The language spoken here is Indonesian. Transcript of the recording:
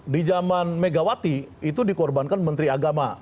di zaman megawati itu dikorbankan menteri agama